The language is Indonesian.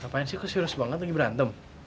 ngapain sih kok si rosmangga lagi berantem